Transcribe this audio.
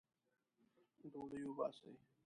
ډوډۍ وباسئ